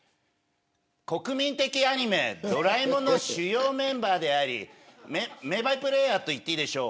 国民的アニメ、ドラえもんの主要メンバーであり名バイプレーヤーと言っていいでしょう